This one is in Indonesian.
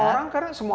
semua orang kan